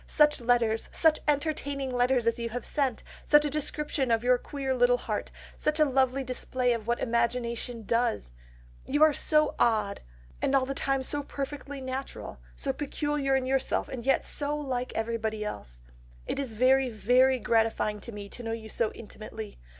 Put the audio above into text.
Such letters, such entertaining letters as you have lately sent! such a description of your queer little heart! such a lovely display of what imagination does!... You are so odd, and all the time so perfectly natural, so peculiar in yourself, and yet so like everybody else. It is very, very gratifying to me to know you so intimately....